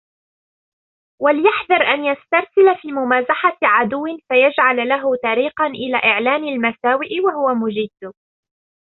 وَلْيَحْذَرْ أَنْ يَسْتَرْسِلَ فِي مُمَازَحَةِ عَدُوٍّ فَيَجْعَلَ لَهُ طَرِيقًا إلَى إعْلَانِ الْمَسَاوِئِ وَهُوَ مُجِدٌّ